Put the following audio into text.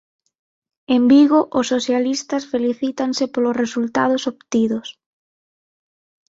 En Vigo, os socialistas felicítanse polos resultados obtidos.